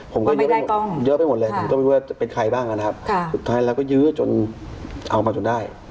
ผมก็เยอะไปหมดเลยผมก็ไม่รู้ว่าจะเป็นใครบ้างนะครับสุดท้ายเราก็ยื้อจนเอามาจนได้